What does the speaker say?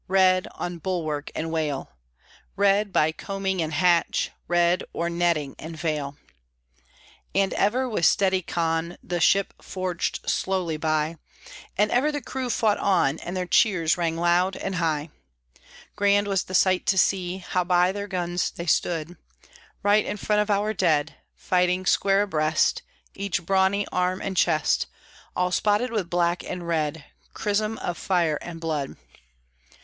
Red, on bulwark and wale, Red, by combing and hatch, Red, o'er netting and vail! And ever, with steady con, The ship forged slowly by, And ever the crew fought on, And their cheers rang loud and high. Grand was the sight to see How by their guns they stood, Right in front of our dead, Fighting square abreast Each brawny arm and chest All spotted with black and red, Chrism of fire and blood!